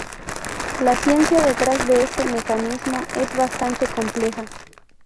La ciencia detrás de este mecanismo es bastante compleja.